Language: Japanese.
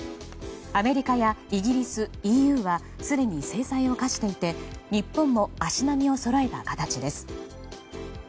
アメリカやイギリス、ＥＵはすでに制裁を科していて日本も足並みをそろえた形です。